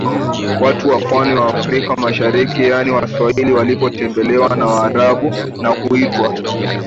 ya watu wa pwani ya Afrika mashariki yaani Waswahili walipotembelewa na Waarabu na kuitwa